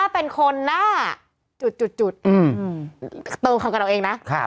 พี่ขับรถไปเจอแบบ